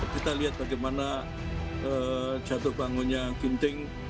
kita lihat bagaimana jatuh bangunnya ginting